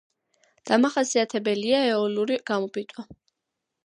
დამახასიათებელია ეოლური გამოფიტვა.